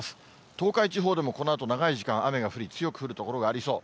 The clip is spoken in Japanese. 東海地方でもこのあと長い時間、雨が降り、強く降る所がありそう。